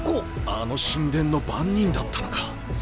あの神殿の番人だったのか。